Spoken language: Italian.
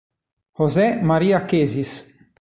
José María Cases